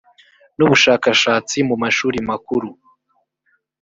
n ubushakashatsi mu mashuri makuru